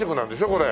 これ。